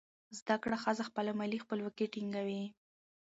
زده کړه ښځه خپله مالي خپلواکي ټینګوي.